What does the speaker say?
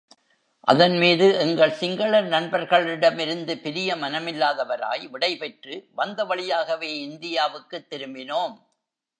அதன்மீது எங்கள் சிங்கள நண்பர்களிடமிருந்து பிரிய மனமில்லாதவராய், விடைபெற்று, வந்த வழியாகவே இந்தியாவுக்குத் திரும்பினோம்.